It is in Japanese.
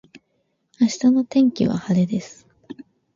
明日の天気は晴れです